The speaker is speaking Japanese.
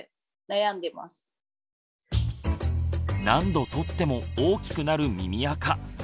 何度取っても大きくなる耳あか